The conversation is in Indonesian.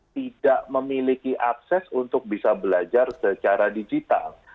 tidak memiliki akses untuk bisa belajar secara digital